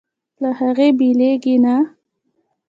له هغې بېلېږي نه.